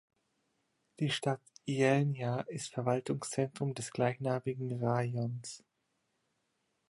Die Stadt Jelnja ist Verwaltungszentrum des gleichnamigen Rajons.